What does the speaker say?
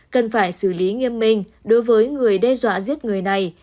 cần phải xử lý nghiêm minh đối với người đe dọa giết người này